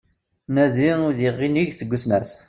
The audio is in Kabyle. Nadi udiɣ inig seg usnas